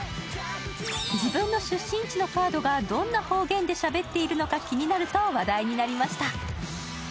自分の出身地のカードがどんな方言でしゃべっているのか気になると話題になりました。